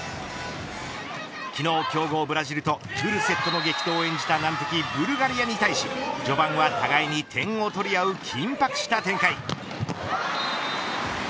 昨日、強豪ブラジルとフルセットの激闘を演じた難敵ブルガリアに対し序盤は互いに点を取り合う緊迫した展開。